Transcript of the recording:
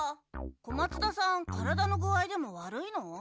小松田さん体の具合でも悪いの？